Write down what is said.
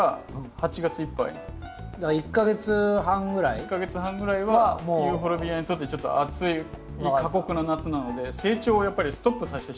１か月半ぐらいはユーフォルビアにとってちょっと暑い過酷な夏なので成長をやっぱりストップさせてしまうんですよね。